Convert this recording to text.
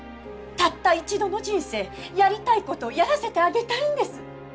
たった一度の人生やりたいことやらせてあげたいんです！